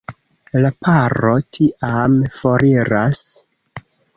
La paro tiam foriras.